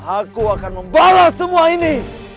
aku akan membalas semua ini